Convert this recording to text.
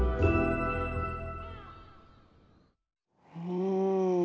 うん。